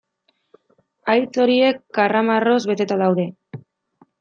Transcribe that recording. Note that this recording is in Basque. Haitz horiek karramarroz beteta daude.